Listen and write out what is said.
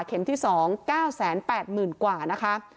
เข็มที่๒๙๘๐๐๐๐กว่านะคะ